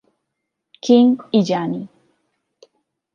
King y Yanni.